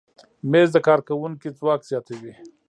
مېز د کارکوونکي ځواک زیاتوي.